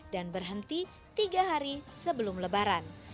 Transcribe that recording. dan berhenti tiga hari sebelum lebaran